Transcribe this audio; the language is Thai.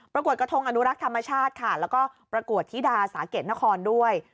กวดกระทงอนุรักษ์ธรรมชาติค่ะแล้วก็ประกวดธิดาสาเกตนครด้วย